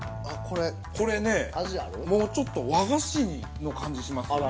これねもう、ちょっと和菓子の感じしますよ。